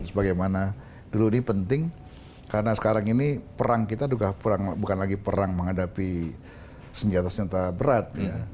sebagaimana dulu ini penting karena sekarang ini perang kita bukan lagi perang menghadapi senjata senjata berat